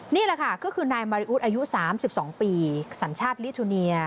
นี่แหละค่ะก็คือนายมาริอุทอายุ๓๒ปีสัญชาติลิทูเนีย